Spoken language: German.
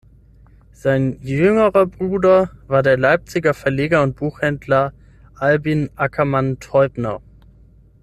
Sein jüngerer Bruder war der Leipziger Verleger und Buchhändler Albin Ackermann-Teubner.